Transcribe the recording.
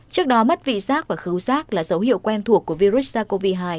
trước đó mất vị giác và khứ giác là dấu hiệu quen thuộc của virus sars cov hai